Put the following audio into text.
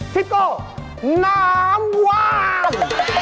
ซิโก้น้ำวาด